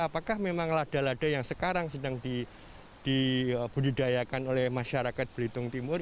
apakah memang lada lada yang sekarang sedang dibudidayakan oleh masyarakat belitung timur